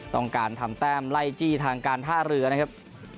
ต้องการทำแต้มไล่จี้ทางการท่าเรือนะครับ